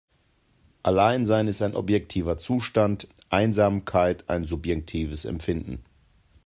Alleinsein ist ein objektiver Zustand, Einsamkeit ein subjektives Empfinden.